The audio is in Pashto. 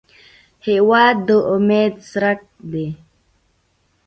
هېواد د امید څرک دی.